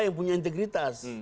yang punya integritas